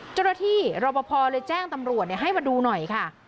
เจ้าหน้าที่รอปภเลยแจ้งตำรวจให้มาดูหน่อยค่ะ